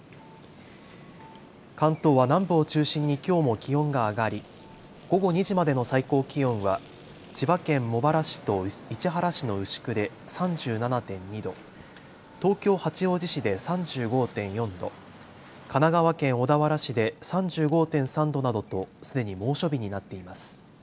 関東は南部を中心にきょうも気温が上がり午後２時までの最高気温は千葉県茂原市と市原市の牛久で３７．２度、東京八王子市で３５．４度、神奈川県小田原市で３５．３度などとすでに猛暑日になっています。